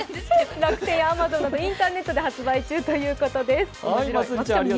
楽天、Ａｍａｚｏｎなどインターネットで販売中ということです。